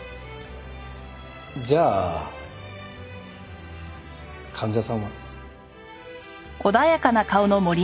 じゃあ患者さんは？